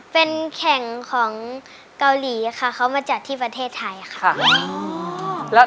เป็นแข่งของเกาหลีค่ะเขามาจัดที่ประเทศไทยค่ะ